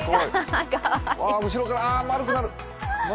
わ、後ろから、丸くなる。